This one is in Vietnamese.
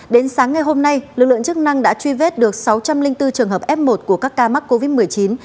đến sáng ngày hôm nay lực lượng chức năng đã truy vết được sáu trăm linh bốn trường hợp f một của các ca mắc covid một mươi chín